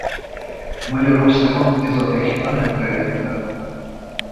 Magyarországon ez a technika nem terjedt el.